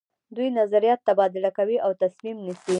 دوی نظریات تبادله کوي او تصمیم نیسي.